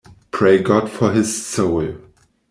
"Pray God for his soul.'".